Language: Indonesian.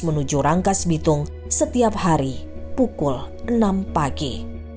menuju rangkas bitung setiap hari pukul enam pagi